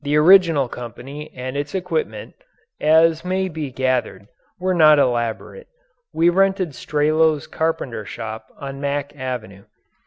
The original company and its equipment, as may be gathered, were not elaborate. We rented Strelow's carpenter shop on Mack Avenue.